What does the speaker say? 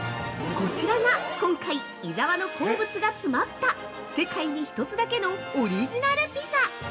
◆こちらが、今回伊沢の好物が詰まった世界に一つだけのオリジナルピザ。